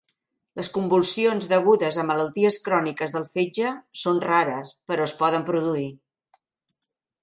Les convulsions degudes a malalties cròniques del fetge són rares, però es poden produir.